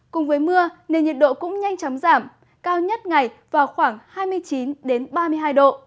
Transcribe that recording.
cùng với mưa nền nhiệt độ cũng nhanh chóng giảm cao nhất ngày vào khoảng hai mươi chín ba mươi hai độ